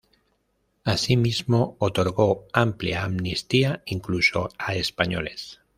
Asimismo, otorgó amplia amnistía, incluso a españoles.